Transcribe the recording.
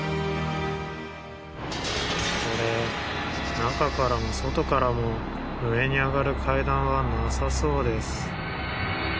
これ中からも外からも上に上がる階段はなさそうです。